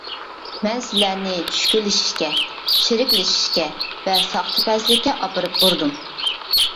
مەن سىلەرنى چۈشكۈنلىشىشكە، چىرىكلىشىشكە ۋە ساختىپەزلىككە ئاپىرىپ ئۇردۇم!